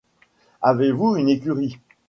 Avez-vous une écurie?